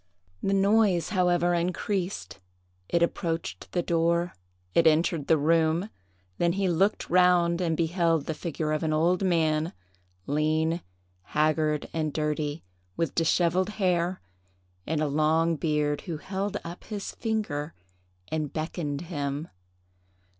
The noise, however, increased; it approached the door; it entered the room; then he looked round, and beheld the figure of an old man, lean, haggard, and dirty, with dishevelled hair, and a long beard, who held up his finger and beckoned him.